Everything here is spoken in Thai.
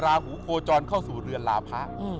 ลาหูโคจรเข้าสู่เรือนลาพะ